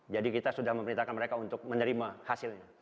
jadi kita sudah memerintahkan mereka untuk menerima hasilnya